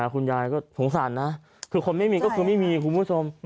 คุณยายก็สงสารนะคือคนไม่มีก็คือไม่มีคุณผู้ชม